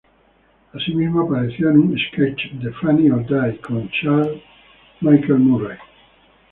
Asimismo apareció en un sketch de "Funny or Die" con Chad Michael Murray.